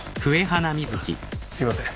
あっすいません。